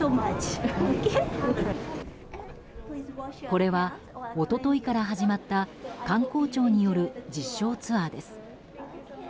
これは、一昨日から始まった観光庁による実証ツアーです。